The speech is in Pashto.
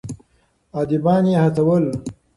اديبان يې هڅول.